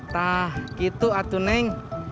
nah gitu atuh neng